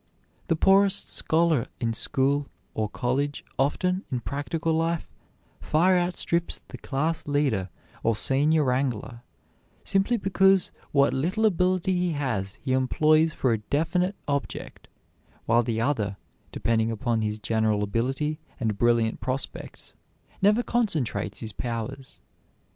The poorest scholar in school or college often, in practical life, far outstrips the class leader or senior wrangler, simply because what little ability he has he employs for a definite object, while the other, depending upon his general ability and brilliant prospects, never concentrates his powers.